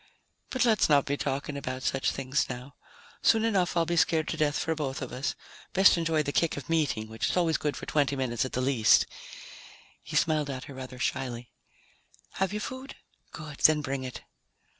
"But let's not be talking about such things now. Soon enough I'll be scared to death for both of us. Best enjoy the kick of meeting, which is always good for twenty minutes at the least." He smiled at her rather shyly. "Have you food? Good, then bring it."